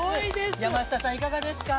山下さん、いかがですか。